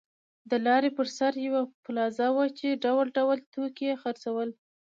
د لارې پر سر یوه پلازه وه چې ډول ډول توکي یې خرڅول.